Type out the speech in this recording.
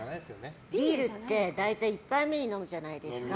ビールって大体１杯目に飲むじゃないですか。